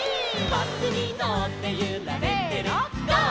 「バスにのってゆられてるゴー！